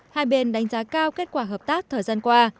hai bên đánh giá cao kết quả hợp tác thời gian qua